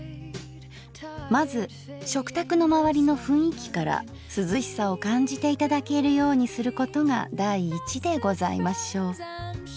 まず食卓のまわりのふんいきから涼しさを感じて頂けるようにすることが第一でございましょう。